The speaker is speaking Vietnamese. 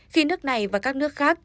khi nước này và các nước khác